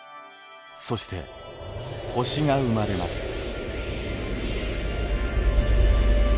そして星が生まれます。